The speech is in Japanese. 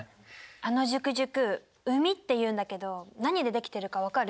あのジュクジュク膿っていうんだけど何でできてるか分かる？